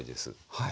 はい。